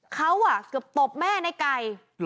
เขาเกือบตบแม่ในไก่